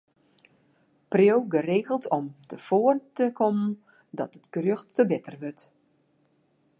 Priuw geregeld om te foaren te kommen dat it gerjocht te bitter wurdt.